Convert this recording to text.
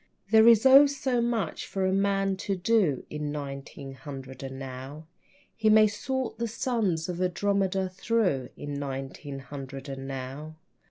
There is oh, so much for a man to do In nineteen hundred and now. He may sort the suns of Andromeda through In nineteen hundred and now.